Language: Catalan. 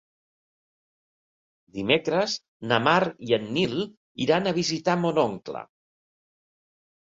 Dimecres na Mar i en Nil iran a visitar mon oncle.